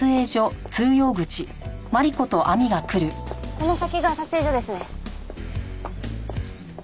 この先が撮影所ですね。